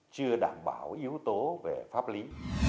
chưa đảm bảo yếu tố về pháp lý